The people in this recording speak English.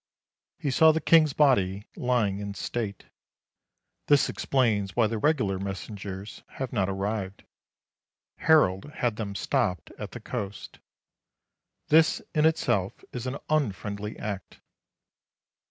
He saw the King's body lying in state. This explains why the regular messengers have not arrived. Harold had them stopped at the coast. This, in itself, is an unfriendly act.